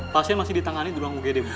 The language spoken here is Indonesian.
pasien masih ditangani di ruang ugd bu